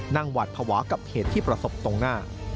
หวาดภาวะกับเหตุที่ประสบตรงหน้า